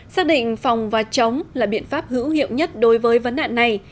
xác định phòng và chống là biện pháp hữu hiệu nhất đối với vấn nạn này